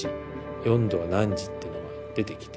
「４°は何時」っていうのが出てきて。